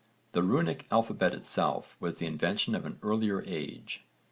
The runic alphabet itself was the invention of an earlier age.